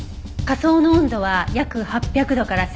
火葬の温度は約８００度から１２００度。